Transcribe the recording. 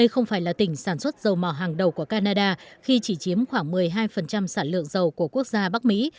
không phải là tỉnh sản xuất dầu mỏ hàng đầu của canada khi chỉ chiếm khoảng một mươi hai sản lượng dầu của quốc gia bắc mỹ